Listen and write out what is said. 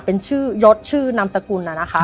เป็นชื่อยศชื่อนำสกุล